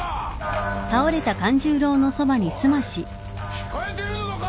聞こえてるのか！